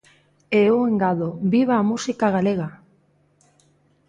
E eu engado: Viva a música galega!